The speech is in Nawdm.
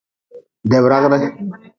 Debragre.